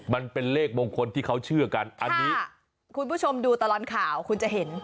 มันเป็นเลขมงคลที่เขาเชื่อกันอันนี้คุณผู้ชมดูตลอดข่าวคุณจะเห็น